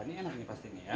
ini enak ini pasti nih ya